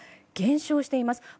減少しています。